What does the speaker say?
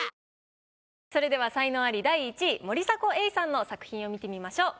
それでは才能アリ第１位森迫永依さんの作品を見てみましょう。